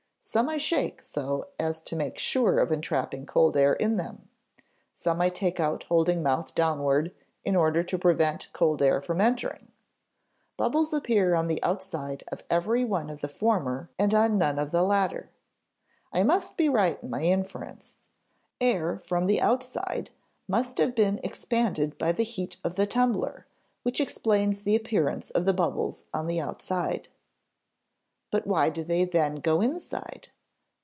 Some I shake so as to make sure of entrapping cold air in them. Some I take out holding mouth downward in order to prevent cold air from entering. Bubbles appear on the outside of every one of the former and on none of the latter. I must be right in my inference. Air from the outside must have been expanded by the heat of the tumbler, which explains the appearance of the bubbles on the outside. "But why do they then go inside?